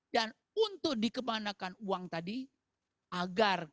dan untuk dikembangkan uang tadi agar